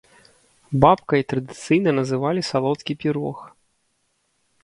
Бабкай традыцыйна называлі салодкі пірог.